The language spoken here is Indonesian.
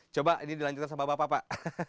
coba ini dilanjutkan sama bapak pak